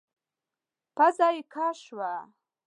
پزه يې کش شوه.